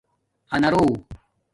آنارݸ